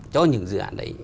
cho những dự án đấy